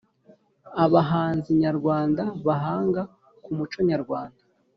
Abahanzi nyarwanda bahanga kumuco nyarwanda